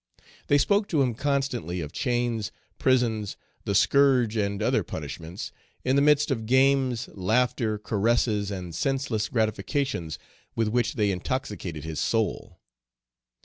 They spoke to him constantly of chains, prisons, the scourge and other punishments, in the midst of games, laughter, caresses, and senseless gratifications with which they intoxicated his soul.